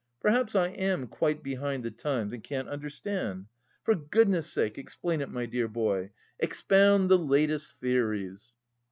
Perhaps I am quite behind the times and can't understand. For goodness' sake, explain it, my dear boy. Expound the latest theories!"